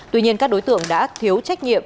tuy nhiên các đối tượng đã thiếu trách nhiệm